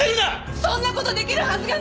そんな事できるはずがない！